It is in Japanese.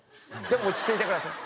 でも落ち着いてください。